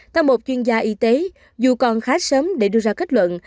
theo một chuyên gia y tế dù còn khá sớm để đưa ra kết luận